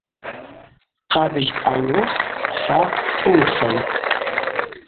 Хъабыжь дъану хъхӏва тумхын.